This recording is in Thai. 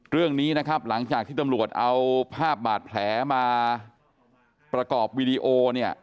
เรื่องนี้นะครับหลังจากที่ตำรวจเอาภาพบาดแผลมาประกอบวีดีโอเนี่ย